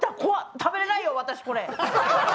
食べれないよ、私、これ！